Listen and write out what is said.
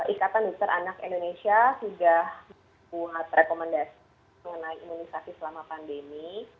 ikatan dokter anak indonesia sudah membuat rekomendasi mengenai imunisasi selama pandemi